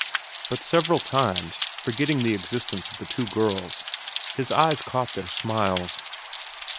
But several times, forgetting the existence of the two girls, his eyes caught their smiles.